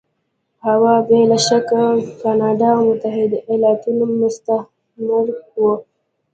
هو! بې له شکه کاناډا او متحده ایالتونه مستعمره وو.